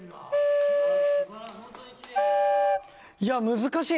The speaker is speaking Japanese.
いや難しい！